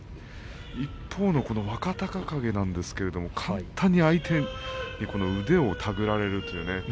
一方の若隆景なんですけれども簡単に相手に腕を手繰られるという。